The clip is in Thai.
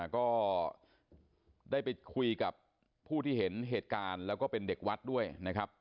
ก็ได้ไปคุยกับผู้ที่เห็นเหตุการณ์แล้วก็เป็นเด็กวัดด้วยนะครับ